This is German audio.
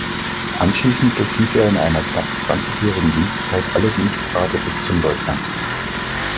Anschließend durchlief er in einer knapp zwanzigjährigen Dienstzeit alle Dienstgrade bis zum Leutnant.